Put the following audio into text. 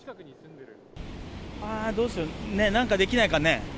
あー、どうしよう、なんかできないかね。